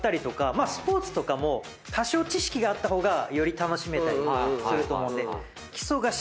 まあスポーツとかも多少知識があった方がより楽しめたりすると思うんで。